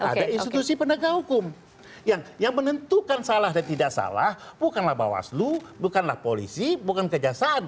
ada institusi penegak hukum yang menentukan salah dan tidak salah bukanlah bawaslu bukanlah polisi bukan kejaksaan